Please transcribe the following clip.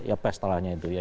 apa istilahnya itu ya